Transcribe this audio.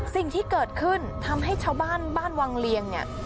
สิ่งที่เกิดขึ้นทำให้ชาวบ้านบ้านวังเลียงเนี่ย